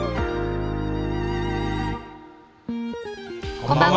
こんばんは。